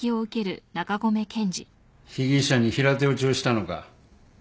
被疑者に平手打ちをしたのか？